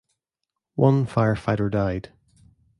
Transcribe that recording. One firefighter died.